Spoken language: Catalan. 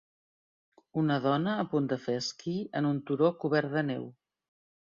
Una dona a punt de fer esquí en un turó cobert de neu.